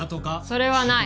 それはない。